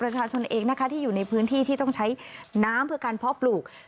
ประชาชนเองนะคะที่อยู่ในพื้นที่ที่ต้องใช้น้ำเพื่อการเพาะปลูก